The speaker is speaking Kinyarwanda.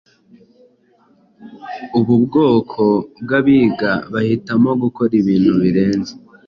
Ubu bwoko bwabiga bahitamo gukora ibintu birenze